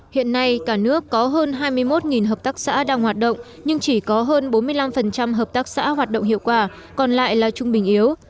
hiện nay cả nước có hơn hai mươi một hợp tác xã đang hoạt động nhưng chỉ có hơn bốn mươi năm hợp tác xã hoạt động hiệu quả còn lại là trung bình yếu